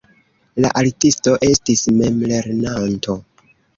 La artisto estis memlernanto.